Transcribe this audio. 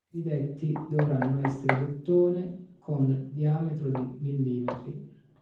I detti, dovranno essere di ottone con diametro di mm.